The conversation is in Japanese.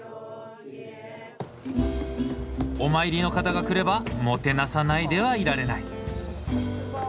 お参りの方が来ればもてなさないではいられない。